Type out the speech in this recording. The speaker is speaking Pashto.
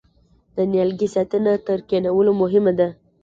د نیالګي ساتنه تر کینولو مهمه ده؟